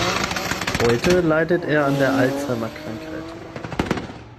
Heute leidet er an der Alzheimer-Krankheit.